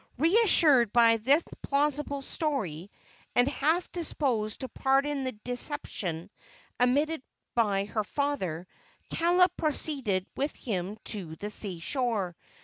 Reassured by the plausible story, and half disposed to pardon the deception admitted by her father, Kaala proceeded with him to the sea shore.